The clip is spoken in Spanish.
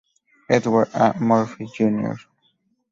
Edward A. Murphy Jr.